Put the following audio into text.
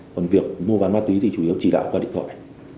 còn việc mua bán ma túy thì chủ yếu chỉ đạo qua điện thoại